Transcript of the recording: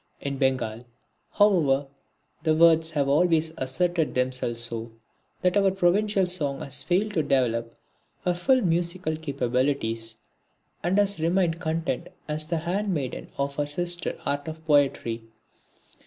In Bengal, however, the words have always asserted themselves so, that our provincial song has failed to develop her full musical capabilities, and has remained content as the handmaiden of her sister art of poetry.